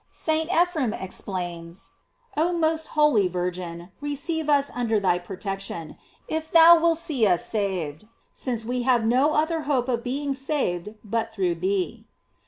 J St. Ephrem explains: Oh most holy Virgin, receive us under thy protection, if thou wilt see us saved, since we have no other hope of being saved but through thee.